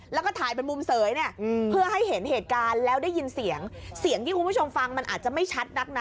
แล้วก็ถ่ายเป็นมุมเสยเนี่ยเพื่อให้เห็นเหตุการณ์แล้วได้ยินเสียงเสียงที่คุณผู้ชมฟังมันอาจจะไม่ชัดนักนะ